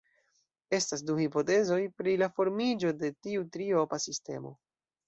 Estas du hipotezoj pri la formiĝo de tiu triopa sistemo.